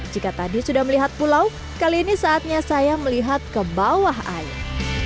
jika tadi sudah melihat pulau kali ini saatnya saya melihat ke bawah air